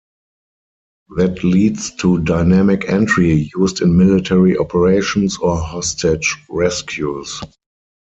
That leads to dynamic entry used in military operations or hostage rescues.